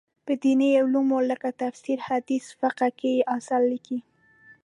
په دیني علومو لکه تفسیر، حدیث، فقه کې یې اثار لیکلي.